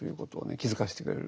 気付かせてくれる。